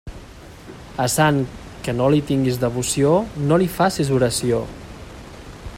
A sant que no li tinguis devoció, no li facis oració.